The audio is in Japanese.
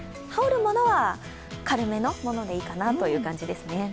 羽織るものは軽めのものでいいかなという感じですね。